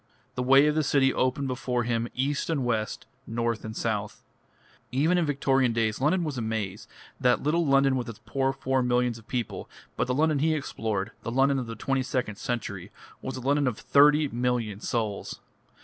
The ways of the city opened before him east and west, north and south. Even in Victorian days London was a maze, that little London with its poor four millions of people; but the London he explored, the London of the twenty second century, was a London of thirty million souls.